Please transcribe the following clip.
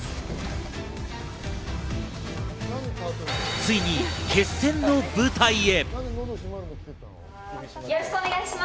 ついに決戦の舞台へ！